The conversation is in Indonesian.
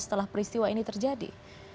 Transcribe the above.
setelah peristiwa ini terjadi